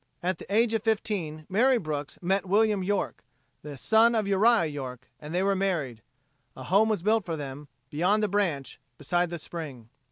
At the age of fifteen Mary Brooks met William York, the son of Uriah York, and they were married. A home was built for them, beyond the branch, beside the spring.